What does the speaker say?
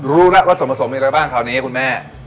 รู้นะว่าสมสมมีอะไรบ้างคราวนี้คุณแม่